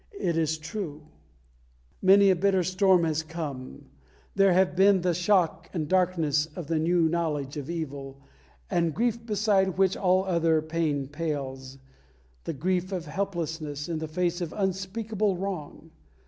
It is true. Many a bitter storm has come; there have been the shock and the darkness of new knowledge of evil, and grief beside which all other pain pales, the grief of helplessness in the face of unspeakable wrong.